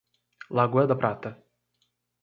Lagoa da Prata